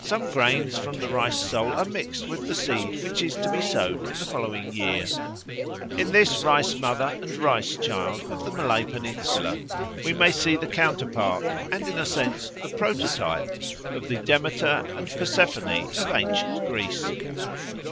Some grains from the Rice soul are mixed with the seed which is to be sown in the following year. In this Rice mother and Rice child of the Malay Peninsula we may see the counterpart and in a sense the prototype of the Demeter and Persephone of ancient Greece.